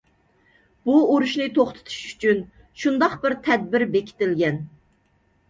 بۇ ئۇرۇشنى توختىتىش ئۈچۈن شۇنداق بىر تەدبىر بېكىتىلگەن.